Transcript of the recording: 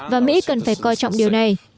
và mỹ cần phải coi trọng điều này